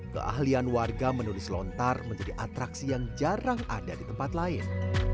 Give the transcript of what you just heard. keahlian warga menulis lontar menjadi atraksi yang jarang ada di tempat lain